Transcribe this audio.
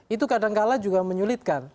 itu kadangkala juga menyulitkan